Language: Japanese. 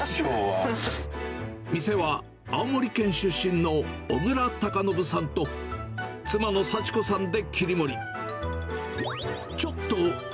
店は青森県出身の、小倉高信さんと、妻の幸子さんで切り盛り。